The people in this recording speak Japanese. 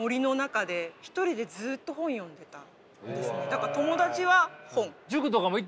だから友達は本。